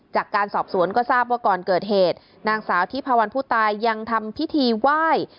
จากการสอบสวนก็ทราบว่าก่อนเกิดเหตุนางสาวทิพวันผู้ตายยังทำพิธีไหว้